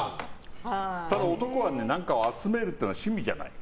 ただ、男は、何かを集めるっていうのが趣味じゃない。